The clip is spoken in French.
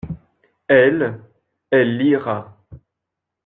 Elle, elle lira.